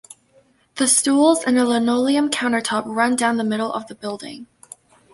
The stools and a linoleum countertop run down the middle of the building.